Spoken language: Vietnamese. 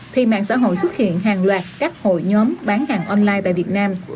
thì mạng xã hội xuất hiện hàng loạt các hội nhóm bán hàng online tại việt nam